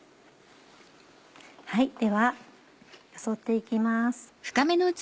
ではよそって行きます。